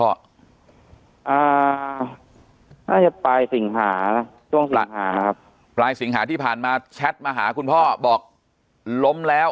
น่าจะปลายสิงหาช่วงสิงหาครับปลายสิงหาที่ผ่านมาแชทมาหาคุณพ่อบอกล้มแล้ว